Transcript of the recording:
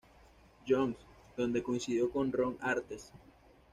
John's, donde coincidió con Ron Artest.